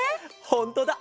ほんとだ！